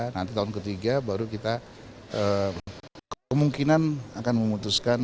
nanti tahun ketiga baru kita kemungkinan akan memutuskan